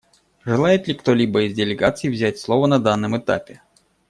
Желает ли кто-либо из делегаций взять слово на данном этапе?